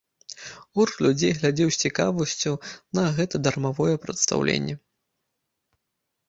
Гурт людзей глядзеў з цікавасцю на гэта дармавое прадстаўленне.